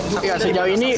ya sejauh ini